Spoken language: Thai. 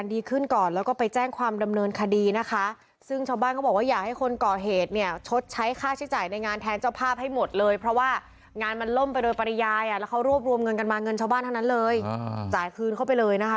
อ๋อตีแล้วก็ตีเสร็จแล้วก็ปลาระเบิดเลยครับ